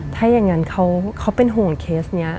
ถ้าอย่างนั้นเขาเป็นห่วงเคสนี้